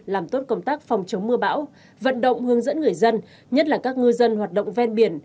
làm tốt công tác phòng chống mưa bão vận động hướng dẫn người dân nhất là các ngư dân hoạt động ven biển